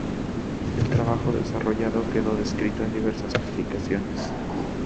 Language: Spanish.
El trabajo desarrollado quedó descrito en diversas publicaciones.